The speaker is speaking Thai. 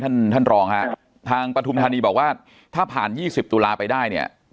ท่านท่านรองฮะทางปฐุมธานีบอกว่าถ้าผ่าน๒๐ตุลาไปได้เนี่ย